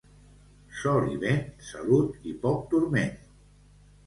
Sol i vent, salut i poc turment.